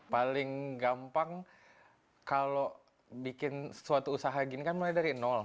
paling gampang kalau bikin suatu usaha gini kan mulai dari nol